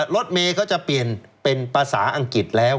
รถเมย์เขาจะเปลี่ยนเป็นภาษาอังกฤษแล้ว